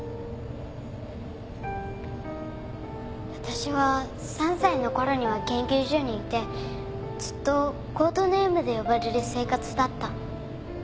わたしは３歳のころには研究所にいてずっとコードネームで呼ばれる生活だった。